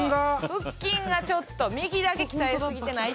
腹筋がちょっと右だけ鍛えすぎてない？